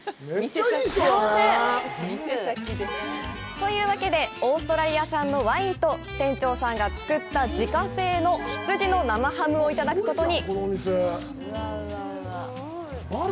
幸せ！というわけでオーストラリア産のワインと店長さんが作った自家製の羊の生ハムをいただくことに。